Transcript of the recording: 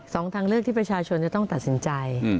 ทางเลือกที่ประชาชนจะต้องตัดสินใจ